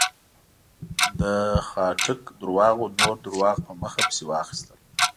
د خاټک درواغو نور درواغ په مخه پسې واخيستل.